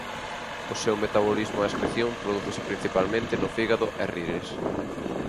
O seu metabolismo e excreción prodúcese principalmente no fígado e riles.